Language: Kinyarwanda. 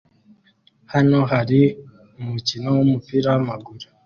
Hano hari umukino wumupira wamaguru